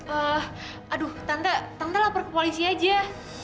eh aduh tante tante lapar ke polisi aja